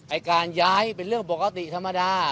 การย้ายเป็นเรื่องปกติธรรมดา